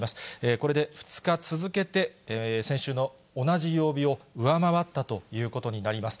これで２日続けて、先週の同じ曜日を上回ったということになります。